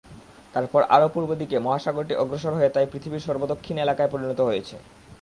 তারপর আরও পূর্ব দিকে মহাসাগরটি অগ্রসর হয়ে তাই পৃথিবীর সর্বদক্ষিণ এলাকায় পরিণত হয়েছে।